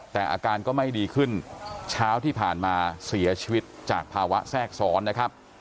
แต่อาการก็ไม่ดีขึ้นเช้าที่ผ่านมาเสียชีวิตจากภาวะแทรกซ้อนนะครับ